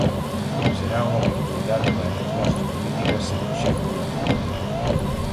Será unha oportunidade para que as nosas políticas se proxecten na rúa.